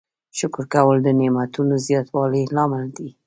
شکر کول د نعمتونو د زیاتوالي لامل دی.